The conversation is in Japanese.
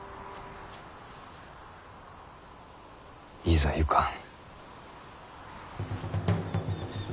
いざ行かん。